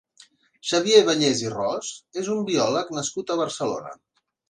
Xavier Bellés i Ros és un biòleg nascut a Barcelona.